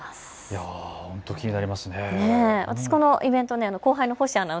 気になりますね。